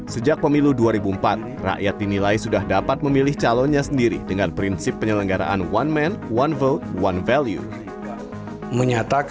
sejak pemilu dua ribu empat rakyat dinilai sudah dapat memilih calonnya sendiri dengan prinsip penyelenggaraan one man one vote one value